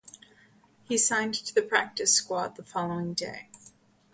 He signed to the practice squad the following day.